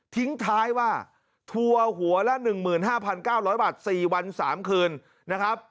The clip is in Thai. ทิ้งท้ายว่าทัวร์หัวละ๑๕๙๐๐บาท๔วัน๓คืนนะครับ